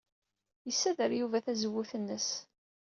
Yessader Yuba tazewwut-nnes.